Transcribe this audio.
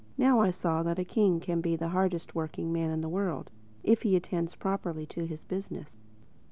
I now saw that a king can be the hardest working man in the world—if he attends properly to his business.